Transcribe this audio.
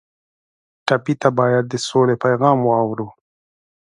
ټپي ته باید د سولې پیغام واورو.